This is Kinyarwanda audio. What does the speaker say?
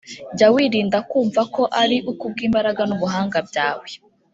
Jya wirinda kumva ko ari kubw’imbaraga n’ubuhanga byawe